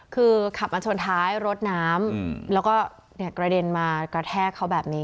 คือขับมาชนท้ายรถน้ำแล้วก็กระเด็นมากระแทกเขาแบบนี้